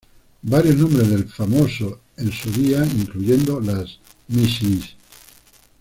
Varios nombres del famoso en su día, incluyendo la 'Mrs.